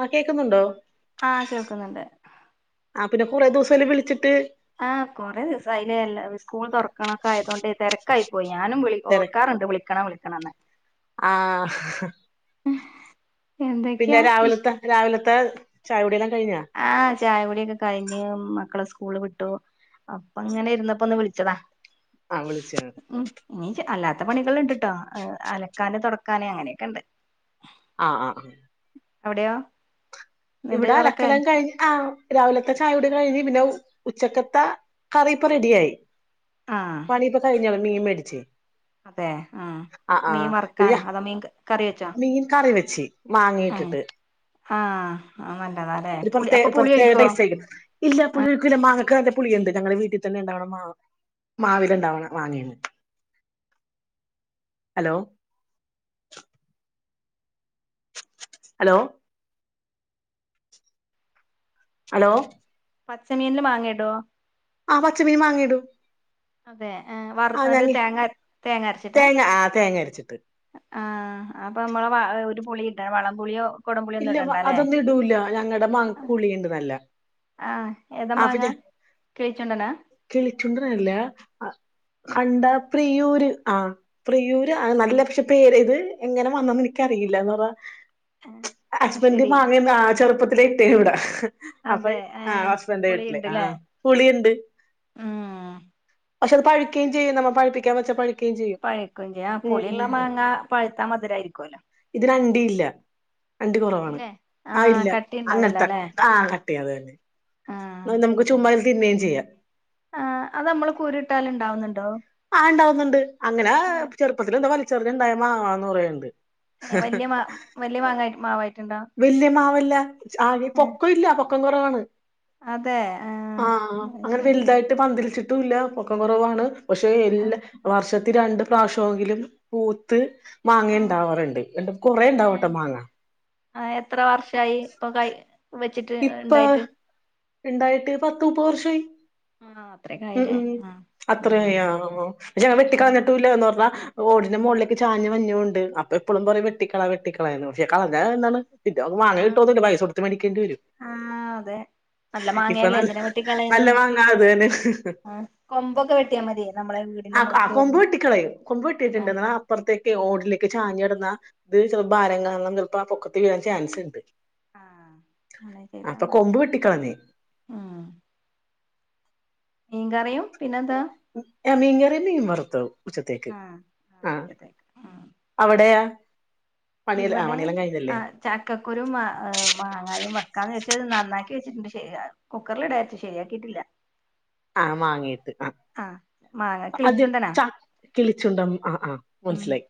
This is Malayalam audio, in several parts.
ആ കേക്ക്ന്നുണ്ടോ? ആഹ് കേൾക്കുന്നുണ്ട്. ആ പിന്നെ കുറേ ദിവസായില്ലെ വിളിച്ചിട്ട് ആഹ് കൊറേ ദിവസായിലെ. അല്ല സ്കൂൾ തുറക്കണൊക്കെ ആയതോണ്ട് തെരക്കായി പോയി ഞാനും വിളിക്ക് തെര ഓർക്കാറ്ണ്ട് വിളിക്കണം വിളിക്കണംന്ന് ആഹ് പിന്നെ എന്തൊക്കെയാ ഇഷ് രാവില്ത്തെ രാവിലത്തെ ചായ കുടിയെല്ലാം കഴിഞ്ഞാ ആഹ് ചായ കുടിയൊക്കെ കഴിഞ്ഞ് മക്കളെ സ്കൂള് വിട്ടു. അപ്പ ഇങ്ങനെ ഇരുന്നപ്പ ഒന്ന് വിളിച്ചതാ. ആഹ് വിളിച്ച് ണ്. ഉം ഇനി അല്ലാത്ത പണികള് ഇണ്ട്ട്ടോ. അലക്കാന് തൊടക്കാന് അങ്ങനെയൊക്കെ ഇണ്ട്. ആഹ് അവിട്യാെ ഇവിടെ അലക്കലാം കഴിഞ്ഞ് ആഹ് രാവിലത്തെ ചായോട് കഴിഞ്ഞ്. പിന്നെ ഉച്ചക്കത്തെ കറിപ്പ റെഡിയായി. ആ പണി ഇപ്പൊ കയിഞ്ഞുള്ളു മീ മേടിച്ച്. ആഹ് മീൻ ആഹ് പി വറുക്കാനോ അതോ [unintelligible] മീൻ കറി വെച്ചോ മീൻ കറി വെച്ച് ആഹ് മാങ്ങിട്ടിട്ട്. ആഹ് അത് നല്ലതാലെ. ഒരു പുളി പ്രത്യേ അപ്പൊ പുളി പ്രത്യേക ഒഴിക്കൊ. ടേസ്റ്റ് ആയിരിക്കും ഇല്ല പുുള്ളിയൊക്കില്ല മാങ്ങക്ക് നല്ല പുളിയുണ്ട്. ഞങ്ങളെ വീട്ടി തന്നെ ഇണ്ടാവണ മാ മാവില ഉണ്ടാവ്ണ മാങ്ങേണ് ഹലോ ഹലോ ഹലോ പച്ചമീനില് മാങ്ങ ഇടോ. ആ പച്ച മീ മാങ്ങി ഇടും. അതെ ഏഹ് വറ് തേങ്ങ തേങ്ങ അരച്ചിട്ടാ ആ തേങ്ങ അരച്ചിട്ട്. ആഹ് അപ്പൊ നമ്മളെ ഒരു പുളി ഇട്ട വളംപൊളിയോ. ഇല്ല വ അതൊന്നും ഇടൂല. ഞങ്ങടെ മാങ്ങക്ക് പുളിണ്ട് നല്ല ആഹ് ഏതാ അപ്പൊ മാങ്ങ ഞാൻ കിളിച്ചുണ്ടനാ കിളിച്ചുണ്ടനല്ല അണ്ട പ്രിയൂര് ആഹ് പ്രിയൂര് ആ നല്ല പക്ഷെ പേര്. ഇത് എങ്ങനെ വന്നുന്ന് ഇനിക്കറിയില്ല എന്ന് പറാ ഉം ഹസ്ബെന്റ് മാങ്ങന്നാ ചെറുപ്പത്തിലെ ഇട്ടേനോട് അപ്പൊ അതെ ആ ഏഹ് ഹസ്ബന്റ്ന്റെ വീട്ടില് പുളിയുണ്ടല്ലേ ആഹ് പുളി ഇണ്ട്. ഉം പക്ഷെ അത് പഴുക്കയും ചെയ്യും. നമ്മ പഴിപ്പിക്കാ വെച്ചാ പഴുക്കുകയും ചെയ്യും പഴുക്കയും ചെയ്യാ. ഉം പുളി ഉം ഇള്ള മാങ്ങ പഴുത്താ മധുരായിരിക്കുവല്ലോ. ഇതിന് അണ്ടി ഇല്ല. അണ്ടി കൊറവാണ്. ഇല്ലേ ആ ആഹ് ഇല്ല കട്ടി അങ്ങൻ ഉണ്ടാവില്ല അല്ലേ അത് തന്നെ ആഹ് നമുക്ക് ചുമ്മാ ഇര്ന്ന് തിന്നയും ചെയ്യാ. ആഹ് അത് നമ്മള് കുരു ഇട്ടാല് ഇണ്ടാവുന്ന്ണ്ടോ. ആഹ് ഇണ്ടാവുന്നുണ്ട് അങ്ങനെ ചെറുപ്പത്തില എന്താ വലചെറിഞ്ഞ ഉണ്ടായ മാങ്ങ പറയണ്ട് ഏഹ് വല്ല്യ മാ വല്ല്യാ മാങ്ങായി മാവായിട്ടുണ്ടോ വല്യമാവല്ല ആഹ് ഏഹ് പൊക്ക ഇല്ല പൊക്കം കുറവാണ് ആഹ് അത് അങ്ങനെ ശരി വലുതായി പന്തതിലിച്ചിട്ടുംല്ല പൊക്കം കുറവാണ് പക്ഷെ ആഹ് എല്ലാ വർഷത്തി രണ്ടും പ്രാവശ്യമെങ്കിലും പൂത്ത് മാങ്ങ ആഹ് ഉണ്ടാവാറുണ്ട് കുറെ ഉണ്ടാവട്ടെ മാങ്ങ ആഹ് എത്ര വർഷമായി ഇപ്പ കൈ വെ ഇപ്പ ഉണ്ടായിട്ട് പത്ത മുപ്പ വർഷായി ആണോ അത്രകെ ആയിലേ ആഹ് അത്ര [unintelligible] ആഹ് പക്ഷെ ഞങ്ങ വെട്ടിക്കളഞ്ഞിട്ടും ഇല്ലന്ന് പറഞ്ഞ ഓടിന്റെ മുകളിലേക്ക് ചാഞ്ഞ്ഞുണ്ട് അപ്പ എപ്പോഴും പറേ വെട്ടിക്കള വെട്ടിക്കളന്ന് പക്ഷെ കളഞ്ഞ എന്താണ് ഇല്ല ഇങ് വാങ്ങാൻ ആഹ് കിട്ടുകയൊന്നുല്ല പൈസ കൊടുത്ത് വാങ്ങിക്കേണ്ടി വരും ആഹ് അതെ നല്ല ഇപ്പൊ മാങ്ങല്ലേ നല്ല എന്തിന വെട്ടിക്കളയണ് നല്ല മാങ്ങ അത് തന്നെ ആഹ് കൊമ്പൊക്കെ വെട്ടിയാൽ മതി നമ്മളെ വീടിന്റെ ആഹ് മോൾക്ക് കൊമ്പ് വരുന്ന വെട്ടിക്കളയും കൊമ്പ് വെട്ടിയിട്ടുണ്ടെന്ന ആഹ് അപ്പുറത്തേക്ക് ഓടിലേക്ക് ചാഞ്ഞിടാ ഇത് ചിലപ്പോ ഭാരം കാണണം ചിലപ്പോ ആ പൊക്കത്ത് വീഴാൻ ചാൻസ് ഉണ്ട് ആണല്ലേ ഇന്നാ അപ്പൊ മതി കൊമ്പ് വെട്ടിക്കളഞ്ഞ് ഉം മീൻ കറിയും പിന്നെന്താ മീൻ കറിയും മീൻ വറുത്തതും ഉച്ചത്തേക്ക് ആഹ് ആഹ് ശരിയാക്ക ആഹ് അവിടെയാ പണിയെല്ലാം ആ ഇവിടെ പണിയെല്ലാം കഴിഞ്ഞല്ലേ ആഹ് ചക്കക്കുരും മാങ്ങായയും വെക്കാന്ന് വെച്ചാൽ അത് നന്നാക്കി വെച്ചിട്ടുണ്ട് ശരി കുക്കറിൽ ഇടയാച്ച ശരിയാക്കിയിട്ടില്ല ആഹ് മാങ്ങീയിട്ട് ആഹ് മാങ്ങ അത് കിളിച്ചുണ്ടനാ ച കിളിച്ചുണ്ട ആഹ് ആഹ് ഉം മനസ്സിലായി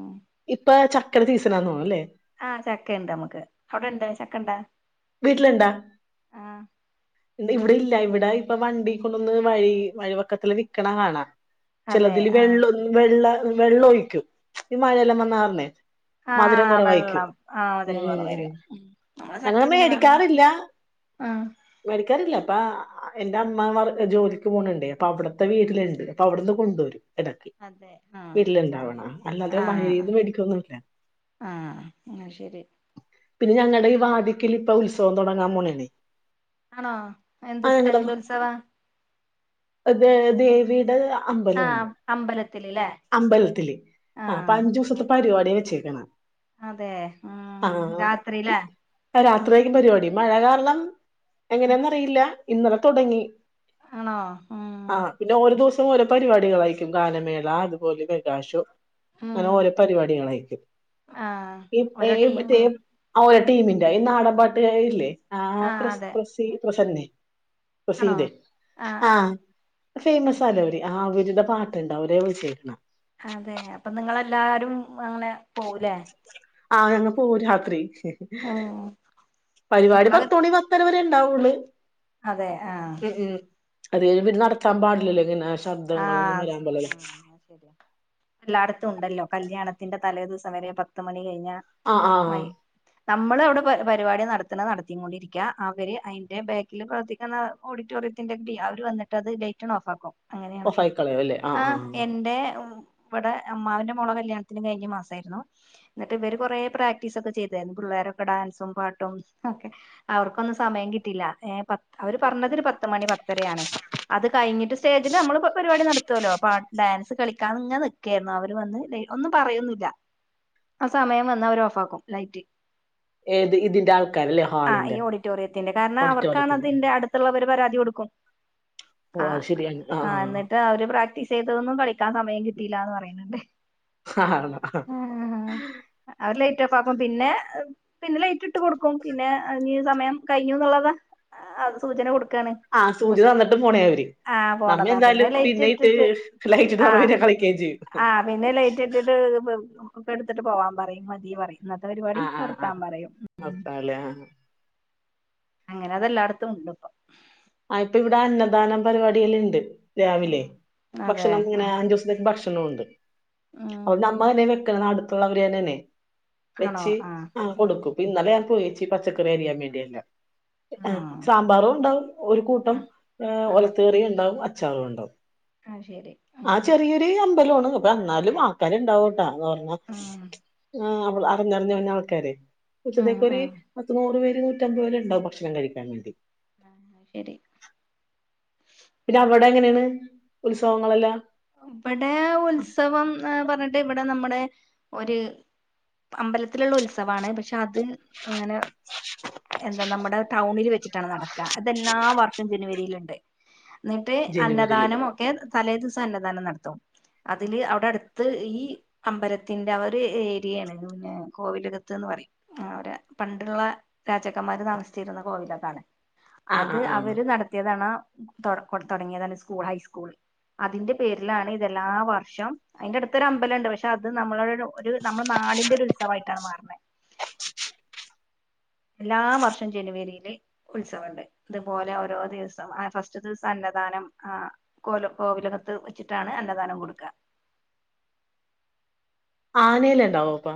ഉം ഇപ്പൊ ചക്കടെ സീസൺ ആണെന്ന് തോന്നു ല്ലേ ആഹ് ചക്ക ഇണ്ട് നമ്മുക്ക് അവിടെ ഉണ്ടോ ചക്ക ഉണ്ടാ വീട്ടിലുണ്ടാ ഇവിടെ ഇല്ല ഇവിടെ ഇപ്പൊ വണ്ടി കൊണ്ടൊന്ന് വഴി വഴി വക്കത്തില് വിൽക്കണ കാണാ അതെ ചിലതില് ആഹ് വെള്ള വെള്ള വെള്ളം ഒഴിക്കൂ ഈ മഴയെല്ലാം വന്നാ കാരണ മധുരം ആഹ് കുറവായിക്കും വെള്ളം ആഹ് ഉം മധുരം ഉം കുറവായിരിക്കും നമ്മളെ ഞങ്ങളെ ചക്ക മെ പിന്നെ വെള്ളം വെക്കാറില്ല ആഹ് മേടിക്കാറില്ല അപ്പ എന്റെ അമ്മ ജോലിക്ക് പോകണണ്ടേ അപ്പ അവിടത്തെ വീട്ടിലുണ്ട് അപ്പ അവിടുന്ന് കൊണ്ടരും ഇടക്ക് അതെ ആഹ് വീട്ടിലുണ്ടാവണ അല്ലാതെ ആഹ് വഴീന്ന് മേടിക്കൊന്നുല്ല ആഹ് അഹ് ശരി പിന്നെ ഞങ്ങളുടെ ഈ വാതിക്കൽ ഇപ്പൊ ഉത്സവം തുടങ്ങാൻ പോണനെ ആണോ എന്ത് എന്താ ഉത്സവ അതെ ദേവിയുടെ അമ്പലമാണ് ആഹ് അമ്പലത്തിൽ ല്ലേ അമ്പലത്തില് ആഹ് അഞ്ചു ദിവസത്തെ പരിപാടിയ വെച്ചേക്കണ അതെ ആഹ് രാത്രി ലെ രാത്രിയക്ക് പരിപാടി മഴ കാരണം എങ്ങനെയന്നറിയില്ല ഇന്നലെ തുടങ്ങി ആണോ ഉം ആഹ് പിന്നെ ഓരോ ദിവസം ഓരോ പരിപാടികളായിരിക്കും ഗാനമേള അതുപോലെ മെഗാഷോ ഉം ഇങ്ങനെ ഓരോ പരിപാടികളായിരിക്കും ആഹ് ഈ ഓരോ ടീം മറ്റേ ആഹ് ഓരോ ടീമിന്റെ ഈ നാടൻ പാട്ട് കാരുല്ലേ ആ ആഹ് പ്ര അതെ പ്രസീ പ്രസന്നെ ആണോ പ്രസീതെ ആഹ് ഫേമസ് ആല്ല അവര് ആ അവരുടെ പാട്ടുണ്ടാവ അവരെ വിളിച്ചേക്കണ അതെ അപ്പൊ നിങ്ങളെല്ലാരും അങ്ങനെ പോകൂലേ ആഹ് ഞങ്ങള് പോകും രാത്രി ഉം പരിപാടി പത്തു മണി പ പത്തരവരെ ഉണ്ടാവുള്ളൂ അതെ ആഹ് പി അത് കഴിഞ്ഞ് നടത്താൻ പാടില്ലല്ലോ ഇങ്ങനെ ശബ്ദങ്ങളൊന്നും ആഹ് വരാൻ പാടിലെലോ ഉം ശരിയാ എല്ലായിടത്തും ഉണ്ടല്ലോ കല്യാണത്തിന്റെ തലേദിവസം വരെ പത്തു മണി കഴിഞ്ഞ ആഹ് ആഹ് മൈ നമ്മള് അവിടെ പ പരിപാടി നടത്തുന്ന നടത്തി കൊണ്ടിരിക്ക അവര് അയ്ന്റെ ബാ ക്കിൽ പ്രവർത്തിക്കുന്ന ഓഡിറ്റോറിയത്തിന്റെ ടീം അവർ വന്നിട്ടത് ലൈറ്റ് അണ് ഓഫ് ആക്കും അങ്ങനെയാണ് ആഹ് എന്റെ ഉ ഇവിടെ അമ്മാവന്റെ മോളെ കല്യാണത്തിനും കഴിഞ്ഞ മാസായിരുന്നു എന്നിട്ട് ഇവര് കൊറെ പ്രാക്ടീസ് ഒക്കെ ചെയ്തായിരുന്നു പിള്ളേരൊക്കെ ഡാൻസും പാട്ടും ഒക്കെ അവർക്കൊന്നും സമയം കിട്ടില്ല ഏ അവര് പറഞ്ഞത് ഒരു പത്ത് മണി പത്തരയാണ് അത് കഴിഞ്ഞിട്ട് സ്റ്റേജിൽ നമ്മളിപ്പോ പരിപാടി നടത്തുവല്ലോ പ ഡാൻസ് കളിക്കാൻ ഇങ്ങനെ നിൽക്കായിരുന്നു അവര് വന്ന് ഒന്നും പറയുന്നില്ല ആ സമയം വന്ന്‌ അവര് ഓഫ് ആക്കും ലൈറ്റ് ഏത് ഇതിന്റെ ആൾക്കാരല്ലേ ആഹ് ഈ ഹാളിന്റെ ഓഡിറ്റോറിയത്തിന്റെ കാരണം ഓഡിറ്റോറിയത്തിന്റെ അവർക്കാണതിന്റെ അടു ടുത്തുള്ളവര് പരാതി കൊടുക്കും ഓഹ് ആഹ് അഹ് ശരിയാണ് ആഹ് എന്നിട്ട് അവര് പ്രാക്ടീസ് ചെയ്തതൊന്നും കളിക്കാൻ സമയം കിട്ടില്ലന്ന് പറയുന്നുണ്ട് ആ അവര് ലൈറ്റ് ഓഫ് ആക്കും പിന്നെ പിന്നെ ലൈറ്റ് ഇട്ട് കൊടുക്കും പിന്നെ ഇഞ്ഞി സമയം കഴിഞ്ഞു എന്നുള്ളത അത് സൂചന കൊടുക്കാണ് ആഹ് സൂചന തന്നിട്ട് പോണയാ അവര് ആ നമ്മ പോണതാ എന്തായാലും ലൈറ്റ് പിന്നെ ഇത് ഇട്ടിട്ട് ലൈറ്റിട്ട് നമ്മ പിന്നെ കളിക്കയും ചെയ്യും ആഹ് പിന്നെ ലേറ്റ് ഇട്ടിട്ട് ഒക്കെ എടുത്തിട്ട് പോവാൻ പറയും മതി പറയും ഇന്നത്തെ പരിപാടി നിർത്താൻ പറയും നിർത്താലേ ആഹ് അങ്ങനെ അതെല്ലായിടത്തും ഉണ്ട് ഇപ്പൊ ആ ഇപ്പ ഇവിടെ അന്നദാനം പരിപാടിയില് ഉണ്ട് രാവിലെ അതെ ഭക്ഷണം ആ ഇങ്ങനെ അഞ്ചു ദിവസത്തേക്ക് ഭക്ഷ കിട്ടണുണ്ട് ഉം അതുകൊണ്ട് നമ്മൾ തന്നെ വെക്കണത് അടുത്തുള്ളവര് തന്നെ ആണേ ആണോ വെച്ച് ആ ആഹ് ആ കൊടുക്കും ഇന്നലെ ഞാൻ പോയേച്ച് പച്ചക്കറി അരിയാൻ വേണ്ടിയല്ലാം ആ സാമ്പാറും ഉണ്ടാവും ഒരു കൂട്ടം ആ ഏഹ് ആ ഒലത്തു കറിയും ഉണ്ടാവും അച്ചാറും ഉണ്ടാവും ആഹ് ശരി ഉം ആഹ് ചെറിയൊരു അമ്പലമാണ് അപ്പൊ എന്നാലും ആൾക്കാര് ഉണ്ടാവും പറഞ ഉം [unintelligible] പറഞ്ഞറിഞ്ഞു വന്ന ആൾക്കാരെ പക്ഷെ ഇതേ ഉം പോലെ ഉം ഒരു പത്തനൂറ് പേര് നൂറ്റി അമ്പത് പേര് ഉണ്ടാവും ഭക്ഷണം കഴിക്കാൻ വേണ്ടി ശരി പിന്നെ അവിടെ എങ്ങനെയാണ് ഉത്സവങ്ങളെല്ലാം ഇവിടെ ഉത്സവം പറഞ്ഞിട്ട് ഇവിടെ നമ്മടെ ഒരു അമ്പലത്തിലുള്ള ഉത്സവാ ണ് പക്ഷെ അത് അങ്ങനെ എന്താ നമ്മുടെ ടൌണിൽ വച്ചിട്ടാണ് നട ഇതെല്ലാ വർഷം ജനുവരിൽണ്ട് എന്നിട്ട് ജനുവരിയില് അന്നദാനം ഒക്കെ തലേ ദി വസന്നധാനം നടത്തും അതില് അവിടെ അടുത്ത് ഈ അമ്പലത്തിന്റെ ആ ഒരു ഏരിയാണ് പിന്നെ കോവിലകത്ത്ന്ന് പറയും ആവര് പണ്ടുള്ള രാജാക്കന്മാര് താമസിച്ചിരുന്ന കോവിലക്കാണ് ആ ആ അത് ആ അവര് നടത്തിയതാണ് തുടങ്ങിയതാണ് സ്കൂൾ ഹൈസ്കൂൾ അതിന്റെ പേരിലാണ് ഇതെല്ലാ വർഷം അതിന്റെ അടുത്തൊരു അമ്പലണ്ട് പക്ഷെ അത് നമ്മളെ ഒരു നമ്മുടെ നാടിൻന്റെ ഒരു ഉത്സവമായിട്ടാണ് മാറനേ എല്ലാ വർഷം ജനുവരില് ഉത്സവുണ്ട് അതുപോലെ ഓരോ ദിവസം ആ ഫസ്റ്റ് ദിവസം അന്നദാനം ആഹ് കോല കോവിലകത്ത് വെച്ചിട്ടാണ് അന്നദാനം കൊടുക്കുക ആനൽ ഉണ്ടാവോ അപ്പ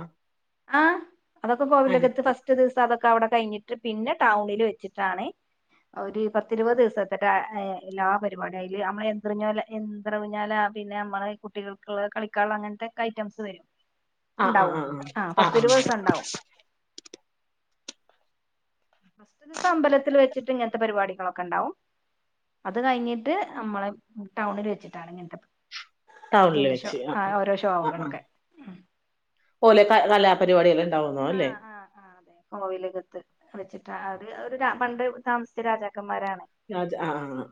ആഹ് അതൊക്കെ കോവിലകത്ത് ഫസ്റ്റ് ഒറ്റ ദിവസം അതൊക്കെ അവിടെ കഴിഞ്ഞിട്ട് പിന്നെ ടൗണില് വെച്ചിട്ടാണ് ഒരു പത്തിരുപത് ദിവസത്തെ് എല്ലാ പരിപാടിയ അതില് നമ്മള് എന്ത്റിഞ്ഞല്ല യാന്ത്ര ഊഞ്ഞാല പിന്നെ നമ്മള് കുട്ടികൾക്കുള്ള കളിക്ക അങ്ങനത്തെ ഐറ്റംസ് വരും ആഹ് ആഹ് ഉണ്ടാവും ആ ആ ആ പത്ത് ഇരുപത് ദിവസം ഉണ്ടാവും ഫസ്റ്റ് ദിവസ അമ്പലത്തിൽ വെച്ചിട്ട് ഇങ്ങനത്തെ പരിപാടികളൊക്കെണ്ടാവും അത് കഴിഞ്ഞിട്ട് നമ്മളെ ടൗണിൽ വെച്ചിട്ടാണ് ഇങ്ങനത്തെ ടൗണില് ഇതിന്റെ ഷോ വെച്ച് ആ ഓരോ ആ ആ ഷോകളൊക്കെ പോലെ ആഹ് ആഹ് ആഹ് അതെ കോവിലകത്ത് വെച്ചിട്ട് അവര് പണ്ട് താമസിച്ച രാജാക്കന്മാരാണ്. രാജ ആഹ് ആഹ്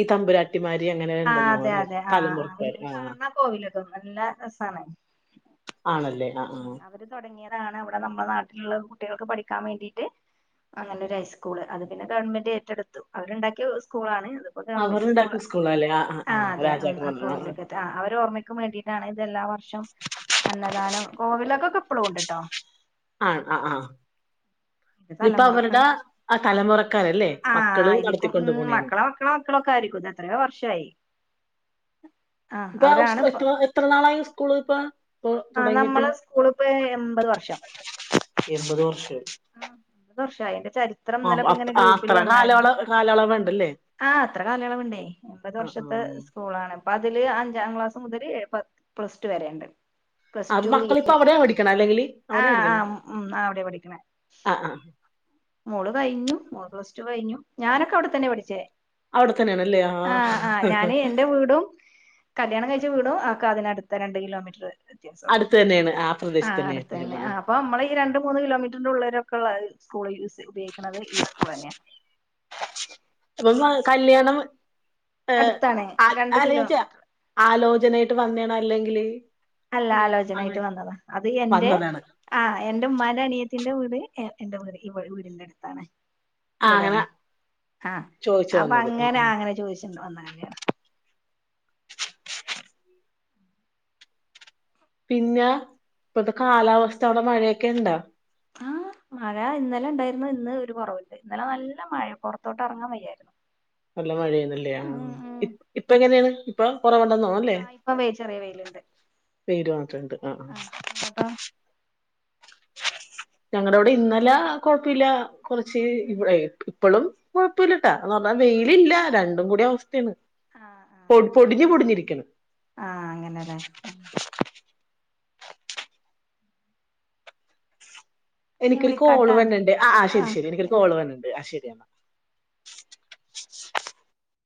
ഈ തമ്പുരാട്ടിമാരി അങ്ങനെ ആഹ് ഉണ്ടെന്നോ അതെ അല്ലേ അതെ ആഹ് തലമുറുക്കർ ആഹ്. കാണാ കോവിലൊക്കെ നല്ല രസാണ് ആണല്ലേ ആ ആ. ഉം അവര് തുടങ്ങിയതാണ് അവിടെ നമ്മളുടെ നാട്ടിലുള്ള കുട്ടികൾക്ക് പഠിക്കാൻ വേണ്ടിട്ട്. അങ്ങനെ ഒരു ഹൈസ്കൂള് അത് പിന്നെ ഗവൺമെന്റ് ഏറ്റെടുത്തു, അവരുണ്ടാക്കിയ സ്കൂളാണ്. ഇപ്പോ ഗവൺമെന്റ് സ്കൂളാ ആ അതെ ആ കോവിലക ത്ത് ആ അവരോർമ്മക്ക് വേണ്ടിയിട്ടാണ് ഇതെല്ലാ വർഷം അന്നദാനം കോവിലകക്കെ ഇപ്പളും ഉണ്ട് ട്ടോ. ആഹ് ആ ആഹ് ഇത് ഇപ്പോ തലമുറക്കാര് അവരുടെ ആ തലമുറക്കാരല്ലേ ആഹ് മക്കള് ആയിരിക്കും ഉം നടത്തിക്കൊണ്ട് പോണേണ്. മക്കളെ മക്കളെ മക്കളൊക്കെ ആയിരിക്കും ഇത് എത്രയോ വർഷായി. ആഹ് ഇപ്പോ ആ അവരാണ് ഉസ് ഇപ്പ എത്ര എത്ര നാളായി സ്കൂള് ഇപ്പോ ആഹ് നമ്മളെ സ്കൂളിപ്പോ എൺപത് വർഷം എൺപത് വർഷോ? ആഹ് എൻമ്പത് വർഷായി എന്റെ ചേ ആഹ് അ അത്ര കാല കാലയളവണ്ടല്ലേ. ആഹ് അത്ര കാലയളവുണ്ടേ, എൻപതു വർഷത്തെ സ്കൂളാണ് അപ്പോ അതില് അഞ്ചാം ക്ലാസ് മുതൽ പ പ്ലസ് ടു വരെണ്ട്. പ്ലസ് അത് ടു മക്കളിപ്പ അവിടെ പഠിക്കണേ അല്ലെങ്കില് ആഹ് ആഹ് ഉം ആ അവിടെ പഠിക്കണത്. ആഹ് ആഹ്. മോള് കഴിഞ്ഞു മോള് പ്ലസ് ടു കഴിഞ്ഞു. ഞാനൊക്കെ അവിടെത്തന്നെ പഠിച്ചേ. അവിടെ തന്നെയാണല്ലേ ആ ആഹ് ആഹ് ഞാന് എന്റെ വീടും കല്യാണം കഴിച്ച വീടും ഒക്കെ അതിനടുത്ത രണ്ട് കിലോമീറ്റർ. വ്യത്യാസള്ളൂ അടുത്ത് തന്നെണ് ആ പ്രദേശത്ത് തന്നെയ. ഇപ്പോ നമ്മളെ ഈ രണ്ടു മൂന്ന് കിലോമീറ്ററിന്റെ ഉള്ളരൊക്കെ ഉള്ള സ്കൂൾ ഉപയോഗിക്കുന്നത് ഈ സ്കൂൾ തന്നെയാ. അപ്പം കല്യാണം ഏ അടുത്താണ് രണ്ട് ആലേയ്ച്ച. കിലോമീറ്റർ ആലോചന ആയിട്ട് വന്നേണോ അല്ലെങ്കില്. അല്ല, അങ്ങനെ അങ്ങനെ ആലോചനായിട്ട് വന്നതാ അത് എന്റെ വന്നതാണ് ആഹ് എന്റെ ഉമ്മാന്റെ അനിയത്തിന്റെ വീട് എന്റെ വീട് ഈ വീടിന്റെ അടുത്താണ്. ആ അങ്ങനെ ഇവിടെയാണ് ആ ചോയിച്ചു അപ്പോ വന്നത് ആ അങ്ങനെ ആ അങ്ങനെ ചോദിച്ചിണ്ട് വന്ന കല്യാണ. പിന്നെ ഇപ്പത്തെ കാലാവസ്ഥ അവിടെ മഴയൊക്കെ ഇണ്ടാ. ആഹ് മഴ ഇന്നലെ ഉണ്ടായിരുന്നു, ഇന്ന് ഒരു കുറവുണ്ട്, ഇന്നലെ നല്ല മഴ പുറത്തോട്ട് ഇറങ്ങാൻ വയ്യായിരുന്നു. [inaudible] നല്ല മഴന്നല്ലേ ഉം ഉം ഇപ്പം എങ്ങനെണ് ഇപ്പോ കുറവുണ്ടന്ന് തോ ല്ലേ ആഹ് ഇപ്പൊ വെ ചെറിയ വെയിലുണ്ട് പേര് മാത്രണ്ട് ആ ആഹ് അങ്ങോട്ടോ. ഞങ്ങളെ ഇവിടെ ഇന്നലെ കൊഴപ്പമില്ല കുറച്ച് ഇ ഇപ്പളും കുഴപ്പല്ലട്ടാ എന്ന് പറഞ്ഞാ വെയിലില്ല രണ്ടും കൂടിയ അവസ്ഥാണ്. ആഹ് പൊ ആഹ് പൊടിഞ്ഞ് പൊടിഞ്ഞിരിക്കണ്. ആഹ് അങ്ങനെല്ലേ ഞാൻ എനിക്കൊരു കോള് വിളിക്കാട്ടാ വരുന്നുണ്ട് ആഹ് ശരി ശരി എനിക്കൊരു കോള് വന്നെണ്ട് ആഹ് ശരിയന്ന.